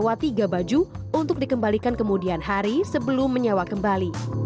anda harus menyewa tiga baju untuk dikembalikan kemudian hari sebelum menyewa kembali